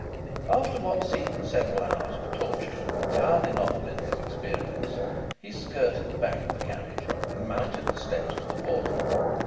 After what seemed several hours of torture entirely novel in his experience, he skirted the back of the carriage and mounted the steps to the portal.